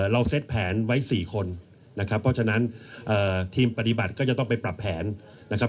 เซ็ตแผนไว้๔คนนะครับเพราะฉะนั้นทีมปฏิบัติก็จะต้องไปปรับแผนนะครับ